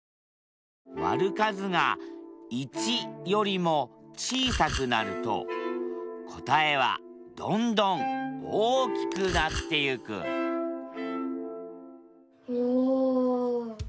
割る数が１よりも小さくなると答えはどんどん大きくなってゆくおお！